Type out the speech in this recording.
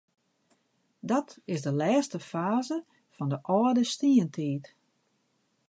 Dat is de lêste faze fan de âlde stientiid.